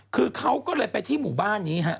คือเขาก็เลยไปที่หมู่บ้านนี้ฮะ